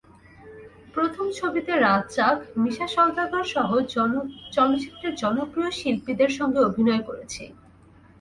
প্রথম ছবিতে রাজ্জাক, মিশা সওদাগরসহ চলচ্চিত্রে জনপ্রিয় শিল্পীদের সঙ্গে অভিনয় করেছি।